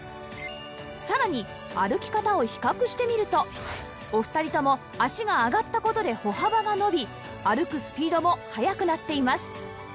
さらに歩き方を比較してみるとお二人とも脚が上がった事で歩幅が伸び歩くスピードも速くなっています